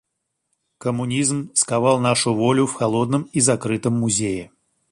Коммунизм сковал нашу волю в холодном и закрытом музее.